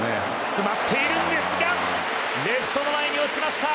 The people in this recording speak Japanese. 詰まっているんですがレフトの前に落ちました。